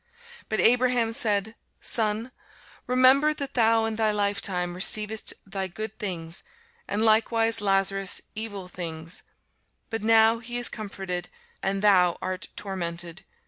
But Abraham said, Son, remember that thou in thy lifetime receivedst thy good things, and likewise Lazarus evil things: but now he is comforted, and thou art tormented.